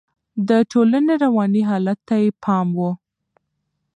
د ټولنې رواني حالت ته يې پام و.